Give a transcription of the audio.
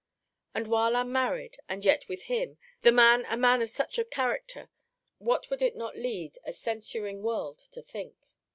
And while unmarried, and yet with him, the man a man of such a character, what would it not lead a censuring world to think?